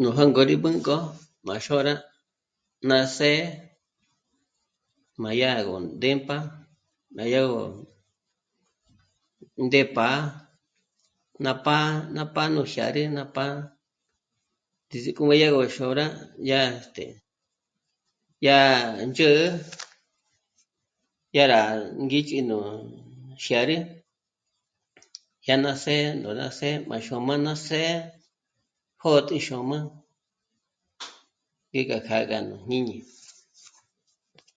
Nú jángo rí b'ǜngo má xôra ná së́'ë má yá gó ndémpa má yá gó ndé pá'a ná pá'a ná pá'a nú jyárü ná pá'a ndǘzü kó má yá gó xôra yá este... yá... dyä́'ä yá rá ngĩ́chji nú jyárü yá ná së́'ë nú ná së́'é má xôma ná së́'ë jö̂ti xôma ngéka kjá gí nú jñǐñi